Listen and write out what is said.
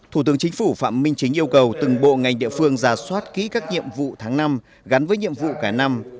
thủ tướng chính phủ phạm minh chính yêu cầu từng bộ ngành địa phương ra soát ký các nhiệm vụ tháng năm gắn với nhiệm vụ cả năm